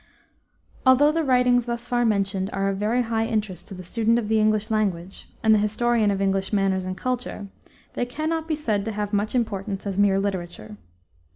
Although the writings thus far mentioned are of very high interest to the student of the English language, and the historian of English manners and culture, they cannot be said to have much importance as mere literature.